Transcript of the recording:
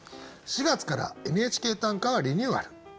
４月から「ＮＨＫ短歌」はリニューアル。